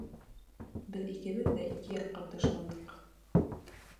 Беҙ икебеҙ ике яҡҡа ташландыҡ.